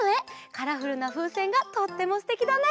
カラフルなふうせんがとってもすてきだね。